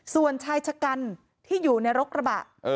ส่วนชายชะกันที่อยู่ในรกระบะ